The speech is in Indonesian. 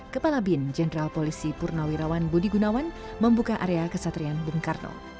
kepala bin jenderal polisi purnawirawan budi gunawan membuka area kesatrian bung karno